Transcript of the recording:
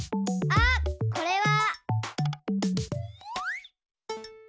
あっこれは。